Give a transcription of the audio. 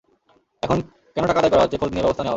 এখন কেন টাকা আদায় করা হচ্ছে, খোঁজ নিয়ে ব্যবস্থা নেওয়া হবে।